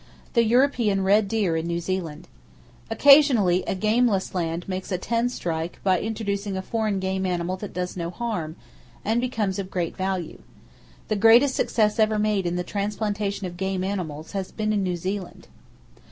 The European Red Deer In New Zealand. —Occasionally a gameless land makes a ten strike by introducing a foreign game animal that does no harm, and becomes of great value. The greatest success ever made in the transplantation of game animals has been in New Zealand.